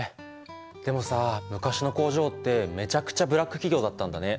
でもさ昔の工場ってめちゃくちゃブラック企業だったんだね。